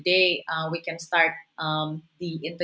saya berada di sini